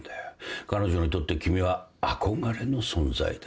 彼女にとって君は憧れの存在だ。